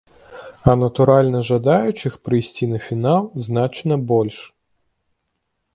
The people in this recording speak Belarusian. А, натуральна, жадаючых прыйсці на фінал значна больш.